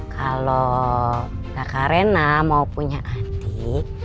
kalau kakak rina mau punya adik